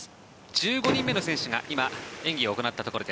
１５人目の選手が今、演技を行ったところ。